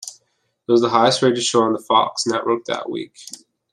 It was the highest-rated show on the Fox network that week.